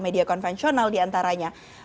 media konvensional diantaranya